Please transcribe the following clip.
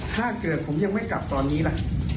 ถ้าเกิดผมยังไม่กลับตอนนี้ล่ะ